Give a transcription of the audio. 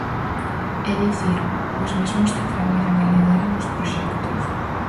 É dicir, os mesmos que traballan e lideran os proxectos.